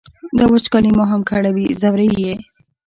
دا وچکالي ما هم کړوي ځوروي یې.